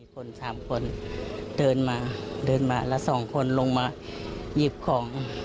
คน๓คนเดินมาเดินมาแล้ว๒คนลงมาหยิบของ